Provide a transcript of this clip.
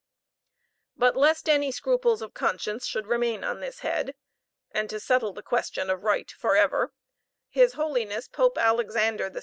But lest any scruples of conscience should remain on this head, and to settle the question of right for ever, his holiness Pope Alexander VI.